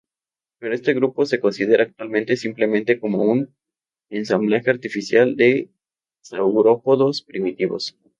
Pero este grupo se considera actualmente simplemente como un ensamblaje artificial de saurópodos primitivos.